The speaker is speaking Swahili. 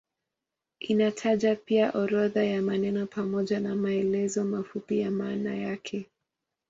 Inataja pia orodha ya maneno pamoja na maelezo mafupi ya maana yake.